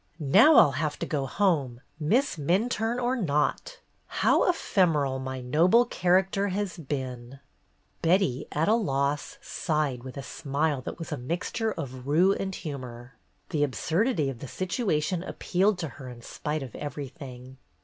''Now I'll have to go home. Miss Minturne or not ! How ephemeral my Noble Character has been !" Betty, at a loss, sighed with a smile that was a mixture of rue and humor. The absurdity of the situation appealed to her in spite of everything.